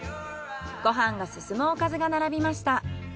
ご飯が進むおかずが並びました。